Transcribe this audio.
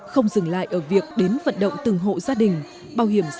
không dừng lại ở việc đến vận động từng hộ gia đình